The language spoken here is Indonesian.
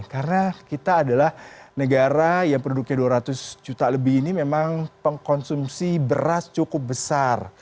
karena kita adalah negara yang penduduknya dua ratus juta lebih ini memang pengkonsumsi beras cukup besar